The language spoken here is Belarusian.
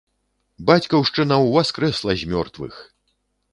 Бацькаўшчына ўваскрэсла з мёртвых!